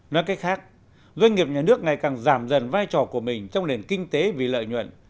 nói cách khác doanh nghiệp nhà nước ngày càng giảm dần vai trò của mình trong nền kinh tế vì lợi nhuận